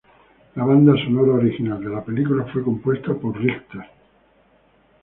La banda sonora original de la película fue compuesta por Richter.